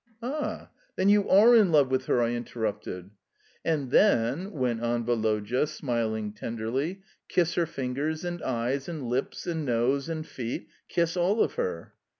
"Ah! Then you ARE in love with her!" I interrupted. "And then," went on Woloda, smiling tenderly, "kiss her fingers and eyes and lips and nose and feet kiss all of her."